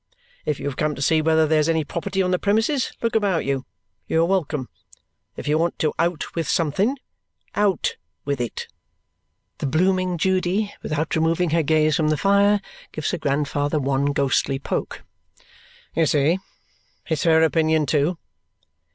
If you have come to see whether there's any property on the premises, look about you; you are welcome. If you want to out with something, out with it!" The blooming Judy, without removing her gaze from the fire, gives her grandfather one ghostly poke. "You see! It's her opinion too.